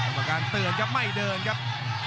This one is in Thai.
กรรมการเตือนครับไม่เดินครับ